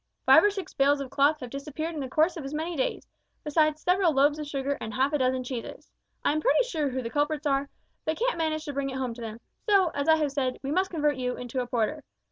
Five or six bales of cloth have disappeared in the course of as many days, besides several loaves of sugar and half a dozen cheeses. I am pretty sure who the culprits are, but can't manage to bring it home to them, so, as I have said, we must convert you into a porter.